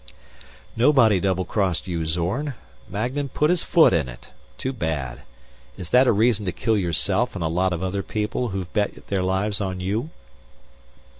"Nobody doublecrossed you, Zorn. Magnan put his foot in it. Too bad. Is that a reason to kill yourself and a lot of other people who've bet their lives on you?"